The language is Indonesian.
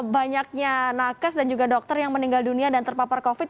banyaknya nakes dan juga dokter yang meninggal dunia dan terpapar covid